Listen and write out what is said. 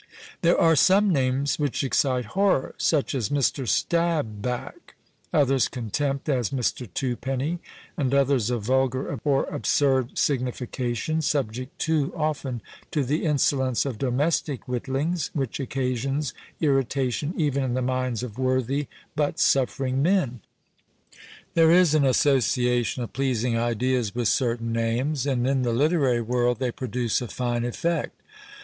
There are some names which excite horror, such as Mr. Stabback; others contempt, as Mr. Twopenny; and others of vulgar or absurd signification, subject too often to the insolence of domestic witlings, which occasions irritation even in the minds of worthy, but suffering, men. There is an association of pleasing ideas with certain names, and in the literary world they produce a fine effect.